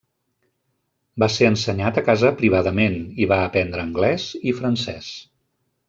Va ser ensenyat a casa privadament, i va aprendre anglès i francès.